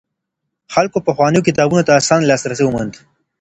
خلکو پخوانيو کتابونو ته اسانه لاسرسی وموند.